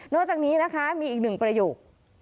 จากนี้นะคะมีอีกหนึ่งประโยค